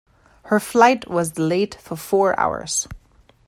Her flight was delayed for four hours.